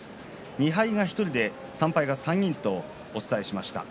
２敗が１人で３敗が３人とお伝えしました。